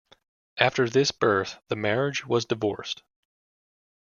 After this birth the marriage was divorced.